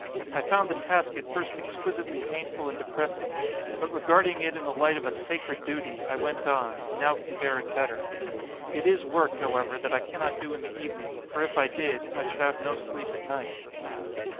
I found the task at first exquisitely painful and depressing; but regarding it in the light of a SACRED DUTY, I went on, and now can bear it better. It is work, however, that I cannot do in the evening, for if I did, I should have no sleep at night.